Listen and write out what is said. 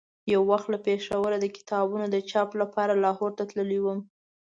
یو وخت له پېښوره د کتابونو د چاپ لپاره لاهور ته تللی وم.